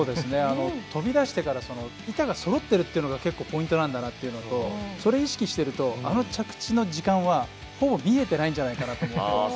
飛び出してから板がそろってるというのが結構ポイントなんだなというのとそれを意識しているとあの着地の時間はほぼ見えてないじゃないかなと。